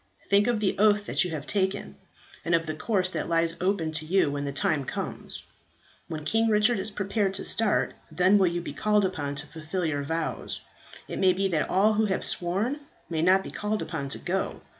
"Think of the oath that you have taken, and of the course that lies open to you when the time comes. When King Richard is prepared to start, then will you be called upon to fulfil your vows. It may be that all who have sworn may not be called upon to go.